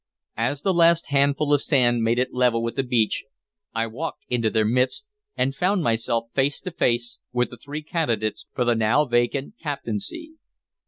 As the last handful of sand made it level with the beach, I walked into their midst, and found myself face to face with the three candidates for the now vacant captaincy.